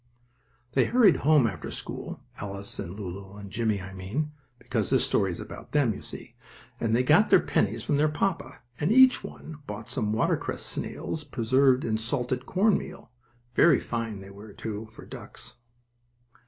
They hurried home after school, Alice and Lulu and Jimmie, I mean, because this story is about them, you see; and they got their pennies from their papa, and each one bought some watercress snails, preserved in salted cornmeal; very fine they were, too, for ducks.